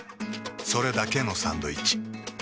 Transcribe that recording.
それだけのサンドイッチ。